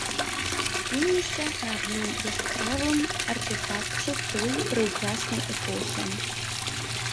Спынімся на адным яскравым артэфакце той прыўкраснай эпохі.